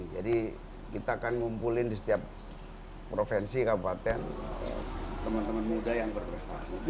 jadi kita akan ngumpulin di setiap provinsi kabupaten temen temen muda yang berprestasi